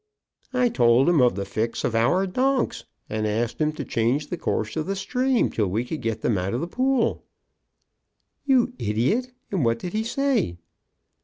"I told him of the fix of our donks, and asked him to change the course of the stream till we could get them out of the pool." "You idiot! And what did he say?"